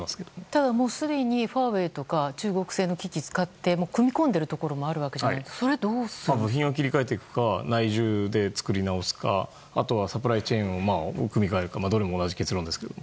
ただすでにファーウェイとか中国製の機器を使っていて組み込んでいるところもありますが部品を切り替えるか内需で作り直すかあとはサプライチェーンを組み替えるかどれも同じ結論ですけど。